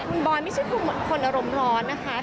คุณบอยไม่ใช่คนอารมณ์ร้อนนะคะ